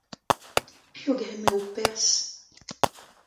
Piv a gemero perzh ?